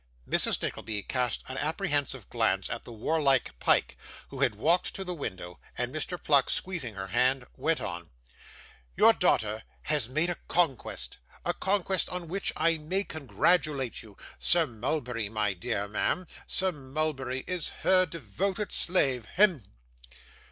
Mrs. Nickleby cast an apprehensive glance at the warlike Pyke, who had walked to the window; and Mr. Pluck, squeezing her hand, went on: 'Your daughter has made a conquest a conquest on which I may congratulate you. Sir Mulberry, my dear ma'am, Sir Mulberry is her devoted slave. Hem!